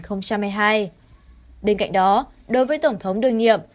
bên cạnh đó đối với tổng thống đương nhiệm